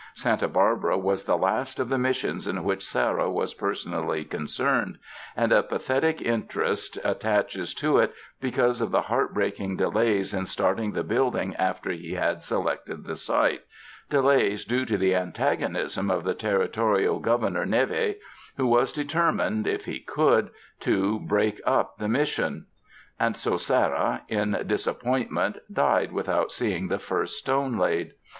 Santa Bar bara was the last of the Missions in which Serra was personally concerned, and a pathetic interest at taches to it because of the heartbreaking delays in starting the building after he had selected the site — delays due to the antagonism of the Territorial Gov ernor Neve, who was determined, if he could, to break up the Mission. And so Serra, in disappoint 157 UNDER THE SKY IN CALIFORNIA ment, died without seeing the first stone laid.